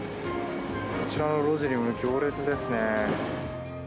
こちらの路地にも行列ですね。